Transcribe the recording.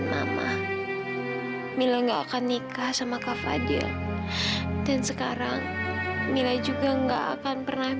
sampai jumpa di video selanjutnya